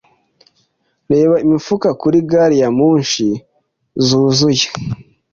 Reba imifuka kuri gari ya moshi zuzuye.